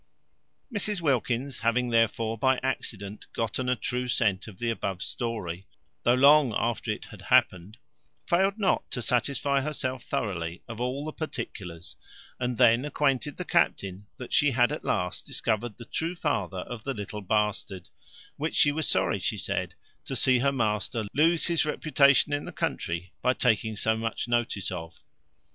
Mrs Wilkins having therefore, by accident, gotten a true scent of the above story, though long after it had happened, failed not to satisfy herself thoroughly of all the particulars; and then acquainted the captain, that she had at last discovered the true father of the little bastard, which she was sorry, she said, to see her master lose his reputation in the country, by taking so much notice of.